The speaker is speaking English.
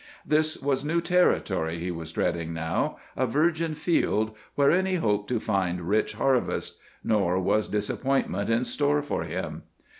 This was new territory he was treading now; a virgin field wherein he hoped to find rich harvest. Nor was disappointment in store for him.